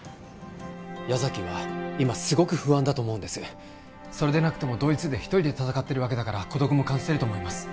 矢崎は今すごく不安だと思うんですそれでなくてもドイツで一人で戦ってるわけだから孤独も感じてると思います